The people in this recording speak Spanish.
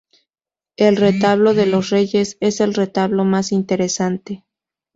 El retablo de los reyes es el retablo más interesante.